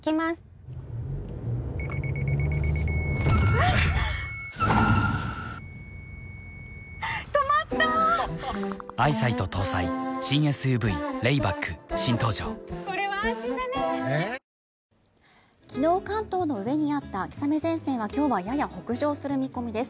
わぁ昨日、関東の上にあった秋雨前線は今日はやや北上する見込みです。